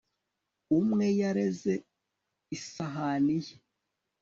Umwe yareze isahani ye